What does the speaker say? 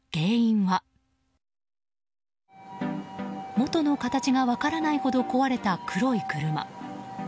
元の形が分からないほど壊れた黒い車。